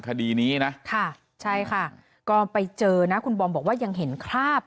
คดีนี้นะค่ะใช่ค่ะก็ไปเจอนะคุณบอมบอกว่ายังเห็นคราบ